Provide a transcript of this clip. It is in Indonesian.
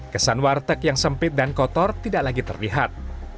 kesan warteg yang sempit dan kotor tidak lagi terlihat